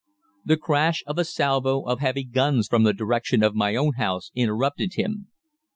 "The crash of a salvo of heavy guns from the direction of my own house interrupted him.